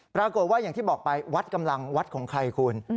ปรากฏว่าอย่างที่บอกไปวัดกำลังวัดของใครคุณ